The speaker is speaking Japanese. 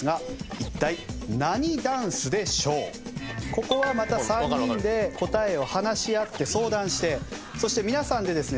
ここはまた３人で答えを話し合って相談してそして皆さんでですね